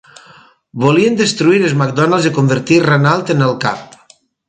Volien destruir els MacDonalds i convertir Ranald en el cap.